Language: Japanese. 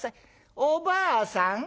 おばあさん